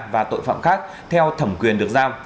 và tội phạm khác theo thẩm quyền được giao